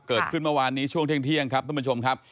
เกิดขึ้นเมื่อวานนี้ช่วงเที่ยงครับท่านผู้ชมครับ